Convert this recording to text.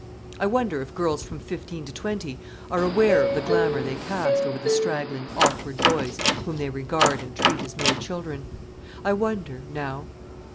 I wonder if girls from fifteen to twenty are aware of the glamour they cast over the straggling, awkward boys whom they regard and treat as mere children? I wonder, now.